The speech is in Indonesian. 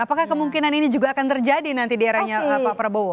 apakah kemungkinan ini juga akan terjadi nanti di eranya pak prabowo